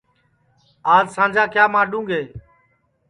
آج سانجا کیا ماڈُؔں گے